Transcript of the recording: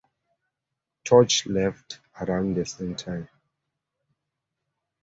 Tosh left around the same time.